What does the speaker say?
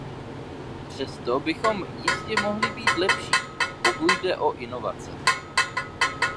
Přesto bychom jistě mohli být lepší, pokud jde o inovace.